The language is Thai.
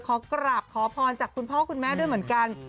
ขอกราบขอพรจากคุณพ่อคุณแม่ด้วยเหมือนกัน